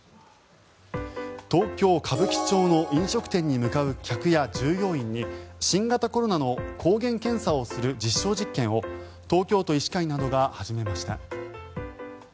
東京・歌舞伎町の飲食店に向かう客や従業員に新型コロナの抗原検査をする実証実験を東京都医師会などが始めました。